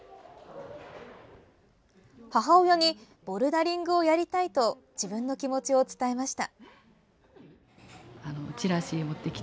母親にボルダリングをやりたいと自分の気持ちを伝えました。